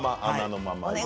穴のまま。